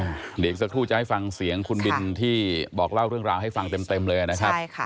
เดี๋ยวอีกสักครู่จะให้ฟังเสียงคุณบินที่บอกเล่าเรื่องราวให้ฟังเต็มเต็มเลยนะครับใช่ค่ะ